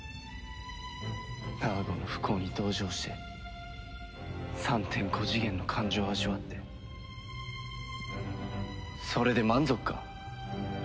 ナーゴの不幸に同情して３．５次元の感情を味わってそれで満足か？